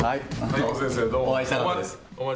お会いしたかったです。